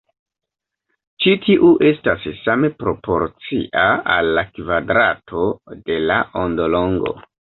Ĉi tiu estas same proporcia al la kvadrato de la ondolongo.